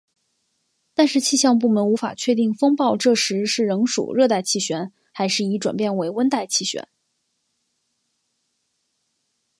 但气象部门无法确定风暴这时是仍属热带气旋还是已转变成温带气旋。